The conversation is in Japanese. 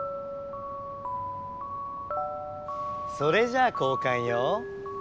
それじゃあ交かんよ。